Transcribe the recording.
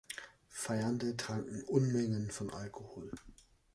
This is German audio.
Feiernde tranken Unmengen von Alkohol.